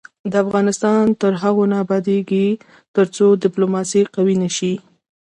افغانستان تر هغو نه ابادیږي، ترڅو ډیپلوماسي قوي نشي.